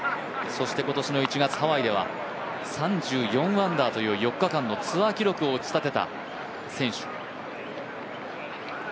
そして今年の１月、ハワイでは３４アンダーという４日間のツアー記録を打ち立てた選手。